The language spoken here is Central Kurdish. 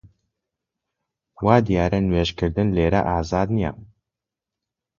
وا دیارە نوێژ کردن لێرە ئازاد نییە